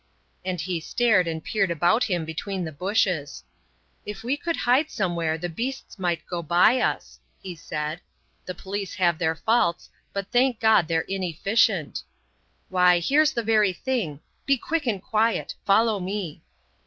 And he stared and peered about him between the bushes. "If we could hide somewhere the beasts might go by us," he said. "The police have their faults, but thank God they're inefficient. Why, here's the very thing. Be quick and quiet. Follow me."